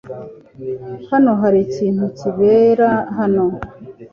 Hano hari ikintu kibera hano .